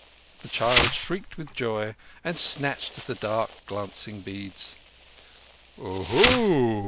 The child shrieked with joy, and snatched at the dark, glancing beads. "Oho!"